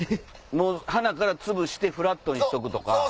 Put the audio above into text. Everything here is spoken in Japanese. はなからつぶしてフラットにしとくとか。